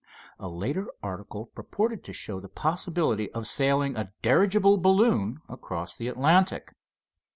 A later article purported to show the possibility of sailing a dirigible balloon across the Atlantic.